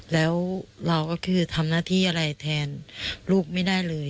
แล้วเราก็คือทำหน้าที่อะไรแทนลูกไม่ได้เลย